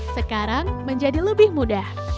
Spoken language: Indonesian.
sekarang menjadi lebih mudah